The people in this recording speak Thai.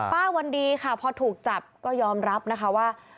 วันดีค่ะพอถูกจับก็ยอมรับนะคะว่า